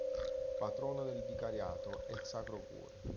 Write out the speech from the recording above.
Patrono del Vicariato è il Sacro Cuore.